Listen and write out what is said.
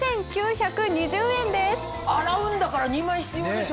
洗うんだから２枚必要でしょ。